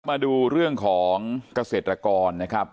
มาดูเรื่องของเกษตรกรนะครับ